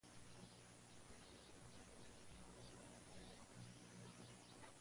Hipólito Yrigoyen y calle Obispo Trejo, en Nueva Córdoba.